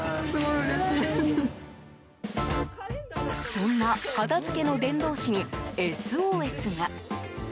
そんな片付けの伝道師にＳＯＳが。